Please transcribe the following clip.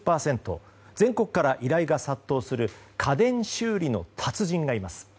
全国から依頼が殺到する家電修理の達人がいます。